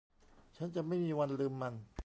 ฉันจะไม่มีวันลืมมัน